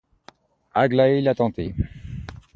Aglaé l’a tenté.